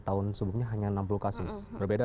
tahun sebelumnya hanya enam puluh kasus berbeda